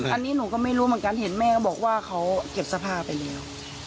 อันนี้หนูก็ไม่รู้เหมือนกันเห็นแม่ก็บอกว่าเขาเก็บสภาพไปแล้ว